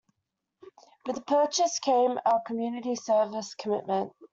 With the purchase came a community service commitment.